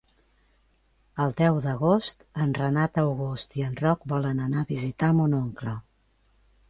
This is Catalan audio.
El deu d'agost en Renat August i en Roc volen anar a visitar mon oncle.